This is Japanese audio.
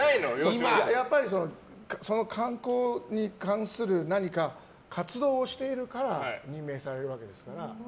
その観光に関する何か活動をしているから任命されるわけですから。